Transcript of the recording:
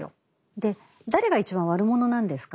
で誰が一番悪者なんですか？